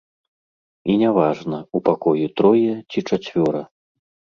І няважна, у пакоі трое ці чацвёра.